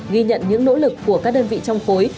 ghi nhận những nỗ lực của các đơn vị trong khối